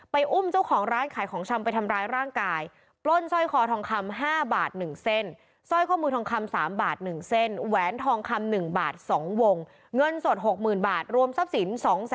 ไปอุ้มเจ้าของร้านขายของช้ำไปทำร้ายร่างกาย